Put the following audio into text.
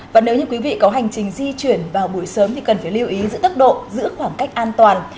và nếu như quý vị có hành trình di chuyển vào buổi sớm thì cần phải lưu ý giữ tốc độ giữ khoảng cách an toàn